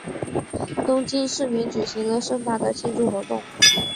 东京市民举行了盛大的庆祝活动。